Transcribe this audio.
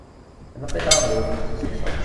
Ilaq ad yi-tɛawneḍ i wakken ad tent-id-sukkseɣ.